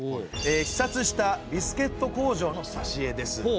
視察したビスケット工場のさしえです。